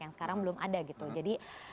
yang sekarang belum ada gitu jadi